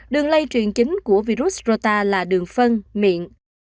đường lây truyền chính của virus rota là đường phân miễn